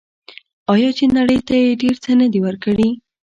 آیا چې نړۍ ته یې ډیر څه نه دي ورکړي؟